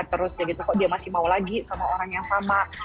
terus dia masih mau lagi sama orang yang sama